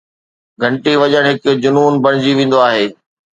گھنٽي وڄڻ هڪ جنون بڻجي ويندو آهي